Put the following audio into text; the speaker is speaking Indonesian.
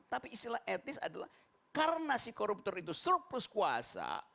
tapi istilah etis adalah karena si koruptor itu surplus kuasa